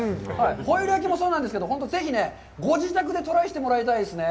ホイル焼きもそうなんですけど、本当にぜひね、ご自宅でトライしてもらいたいですね。